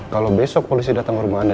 kalau besok polisi datang ke rumah anda